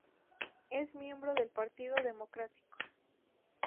Es miembro del Partido democrático.